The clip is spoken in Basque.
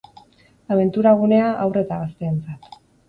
Abentura gunea haur eta gazteentzat.